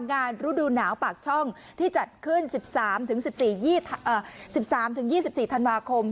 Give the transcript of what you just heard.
ฤดูหนาวปากช่องที่จัดขึ้น๑๓๑๓๒๔ธันวาคม